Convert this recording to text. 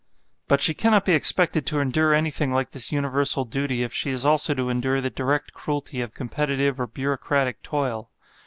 But she cannot be expected to endure anything like this universal duty if she is also to endure the direct cruelty of competitive or bureaucratic toil.